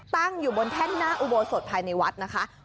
ตั้งอยู่บนแท่นหน้าอุโบสถภายในวัดนะคะ